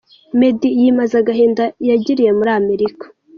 Meddy yimaze agahinda yagiriye muri Amerika.